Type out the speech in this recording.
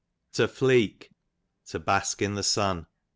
To Fleak, to bask in the tun.